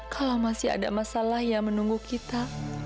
kalau masih ada masalah yang menunggu kita